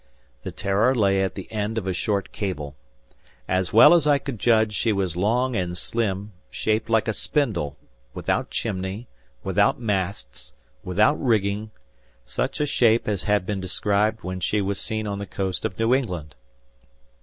The "Terror" lay at the end of a short cable. As well as I could judge, she was long and slim, shaped like a spindle, without chimney, without masts, without rigging, such a shape as had been described when she was seen on the coast of New England.